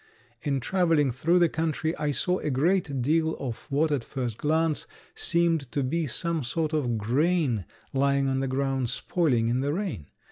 In traveling through the country I saw a great deal of what at first glance seemed to be some sort of grain lying on the ground spoiling in the rain.